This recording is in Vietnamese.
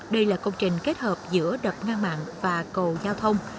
đây là công trình kết hợp giữa đập ngang mạng và cầu giao thông